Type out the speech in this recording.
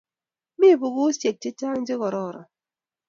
Mi pukuisyek chechang' che kororon.